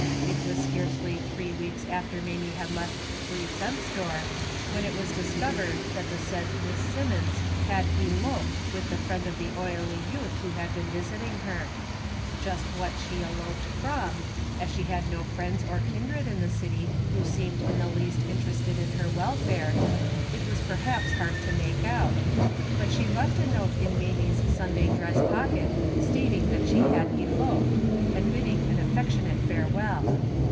It was scarcely three weeks after Mamie had left the three cent store, when it was discovered that the said Miss Simmons had " eloped " with the friend of the oily youth who had been visiting her. Just what she had eloped from, as she had no friends or kindred in the city who seemed in the least in DAILY RATE.^^ 301 terested in her welfare, it was perhaps hard to make out, but she left a note in Mamie's Sun day dress pocket stating that she had eloped, and bidding an affectionate farewell.